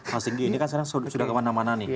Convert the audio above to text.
mas singgi ini kan sekarang sudah kemana mana nih